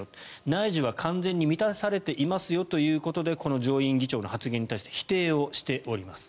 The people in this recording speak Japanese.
内需は完全に満たされていますよということでこの上院議長の発言に対して否定をしています。